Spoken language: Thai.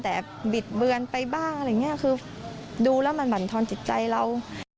แต่บิดเบือนไปจริงคือดูล่ะมันหวั่นชิดใจเรา